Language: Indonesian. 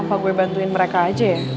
aku gue bantuin mereka aja ya